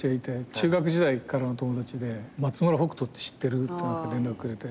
中学時代からの友達で「松村北斗って知ってる？」って連絡くれて。